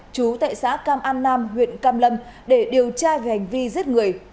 chú tại xã cam an nam huyện cam lâm để điều tra về hành vi giết người